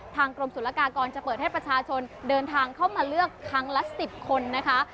ทางกรมศุลกากรจะเปิดให้ประชาชนเดินทางเข้ามาเลือกครั้งละ๑๐คนนะคะ